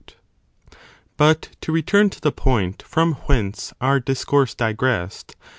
But, to return to the point from whence our dis 5. The insuf course digressed.